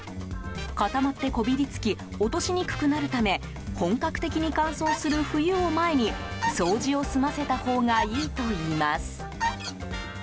固まってこびり付き落としにくくなるため本格的に乾燥する冬を前に掃除を済ませたほうがいいといいます。